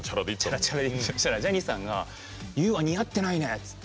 そしたらジャニーさんが、「Ｙｏｕは似合ってないね」って言って。